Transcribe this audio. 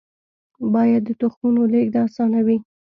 باد د تخمونو لیږد اسانوي